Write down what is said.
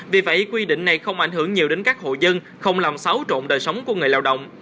vì vậy quy định này không ảnh hưởng nhiều đến các hộ dân không làm xáo trộn đời sống của người lao động